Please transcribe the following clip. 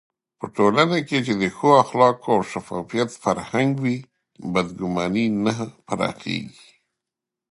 په ټولنه کې چې د ښو اخلاقو او شفافيت فرهنګ وي، بدګماني نه پراخېږي.